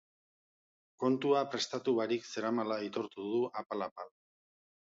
Kontua prestatu barik zeramala aitortu du apal-apal.